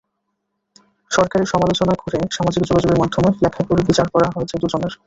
সরকারের সমালোচনা করে সামাজিক যোগাযোগের মাধ্যমে লেখায় বিচার করা হয়েছে দুজনের।